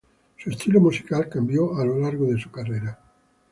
Su estilo musical cambió a lo largo de su carrera.